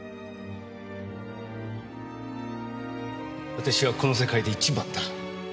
私はこの世界で一番だ。